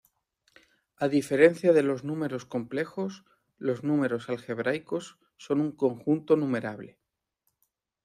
A diferencia de los números complejos los números algebraicos son un conjunto numerable.